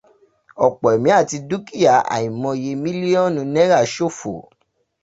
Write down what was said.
Ọ̀pọ̀ ẹ̀mí àti dúkìá àìmoye mílíọ̀nú náírà ṣòfò.